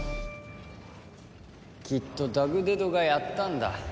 きっとダグデドがやったんだ。